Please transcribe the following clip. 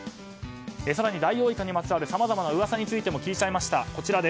更に、ダイオウイカにまつわるさまざまな噂についても聞いちゃいました。